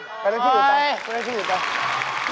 กำลังชื่อหยุดไป